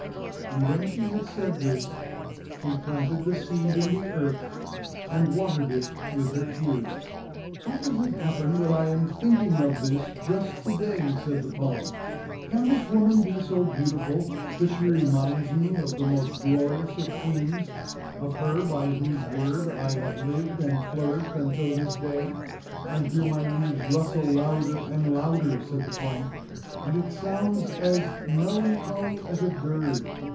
And when she had said this, she planted the seed in the earth and watered it with her tears. "How does it happen that I am thinking of this just to day?" said the palm. "Can this woman be so beautiful that she reminds me of the most glorious of queens, of her by whose word I have lived and flourished until this day? "I hear my leaves rustle louder and louder," said the palm, "and it sounds as melancholy as a dirge.